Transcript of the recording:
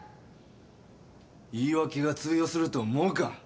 言い訳が通用すると思うか？